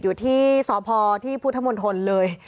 อยู่ที่สพที่พุทธมณฑลเลย